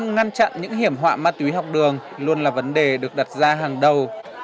ngăn chặn những hiểm họa ma túy học đường luôn là vấn đề được đặt ra hàng đầu